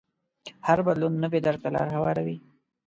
هر بدلون نوي درک ته لار هواروي.